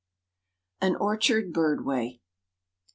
AN ORCHARD BIRD WAY.